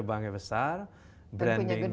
banknya besar brandingnya